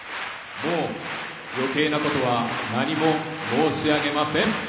もうよけいなことは何も申し上げません。